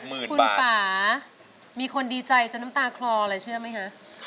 คุณป่ามีคนดีใจจนน้ำตาคลอเลยเชื่อไหมคะ